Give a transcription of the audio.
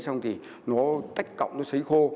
xong thì nó tách cọng nó xấy khô